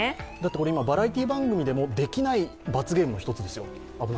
今、バラエティー番組でも危なくてできない罰ゲームの一つですよ。